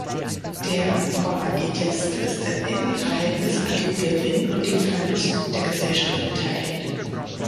Der Kommanditist ist im Innenverhältnis an dem Gewinn und dem Verlust der Gesellschaft beteiligt.